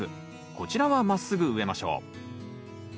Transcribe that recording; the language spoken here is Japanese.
こちらはまっすぐ植えましょう。